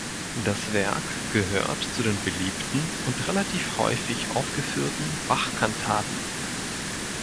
Das Werk gehört zu den beliebten und relativ häufig aufgeführten Bachkantaten.